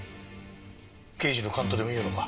刑事の勘とでも言うのか？